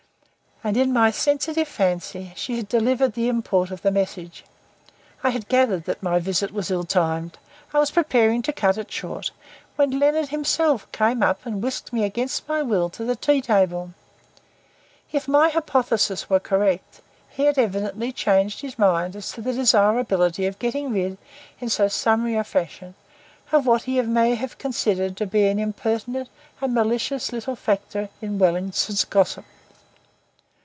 And (in my sensitive fancy) she had delivered the import of the message. I had gathered that my visit was ill timed. I was preparing to cut it short, when Leonard himself came up and whisked me against my will to the tea table. If my hypothesis were correct he had evidently changed his mind as to the desirability of getting rid, in so summary a fashion, of what he may have considered to be an impertinent and malicious little factor in Wellingsford gossip.